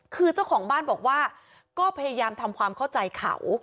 คือเจ้าของบ้านบอกว่าก็พยายามทำความเข้าใจเขา